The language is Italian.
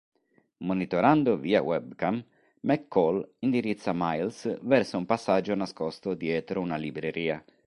Monitorando via webcam, McCall indirizza Miles verso un passaggio nascosto dietro una libreria.